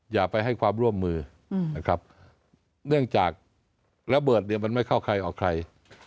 อย่าไปให้ความร่วมมือนะครับเนื่องจากระเบิดเนี่ยมันไม่เข้าใครออกใคร